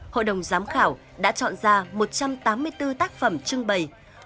hội đồng giám khảo đã chọn ra một trăm tám mươi bốn tác phẩm trưng bày